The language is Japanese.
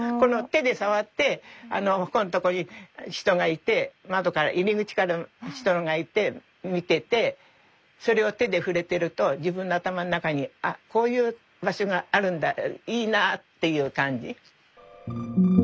手で触ってここんとこに人がいて窓から入り口から人がいて見ててそれを手で触れてると自分の頭の中にあこういう場所があるんだいいなっていう感じ。